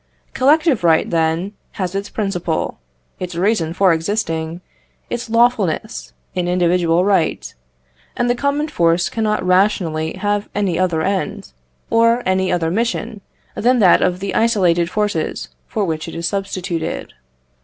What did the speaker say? Collective right, then, has its principle, its reason for existing, its lawfulness, in individual right; and the common force cannot rationally have any other end, or any other mission, than that of the isolated forces for which it is substituted.